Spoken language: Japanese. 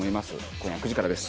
今夜９時からです。